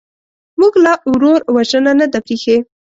موږ لا ورور وژنه نه ده پرېښې.